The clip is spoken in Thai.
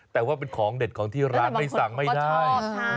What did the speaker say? แต่ว่าเป็นของเด็ดของที่ร้านไม่สั่งไม่ได้